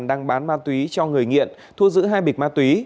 đang bán ma túy cho người nghiện thu giữ hai bịch ma túy